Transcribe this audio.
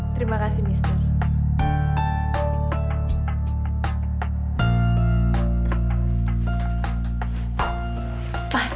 terima kasih mister